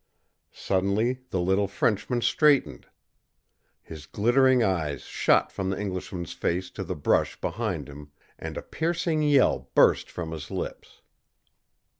Suddenly the little Frenchman straightened. His glittering eyes shot from the Englishman's face to the brush behind him, and a piercing yell burst from his lips.